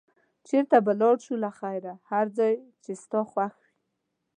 چېرته به ولاړ شو له خیره؟ هر ځای چې ستا خوښ وي.